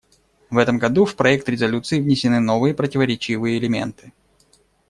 В этом году в проект резолюции внесены новые противоречивые элементы.